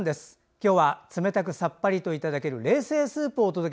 今日は冷たくさっぱりといただける冷製スープです。